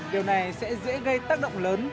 điều này sẽ dễ gây tác động lớn